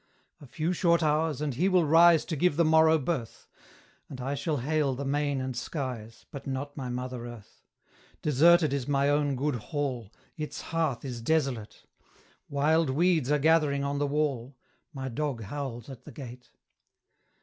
A few short hours, and he will rise To give the morrow birth; And I shall hail the main and skies, But not my mother earth. Deserted is my own good hall, Its hearth is desolate; Wild weeds are gathering on the wall, My dog howls at the gate.